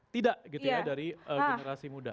tidak gitu ya dari generasi muda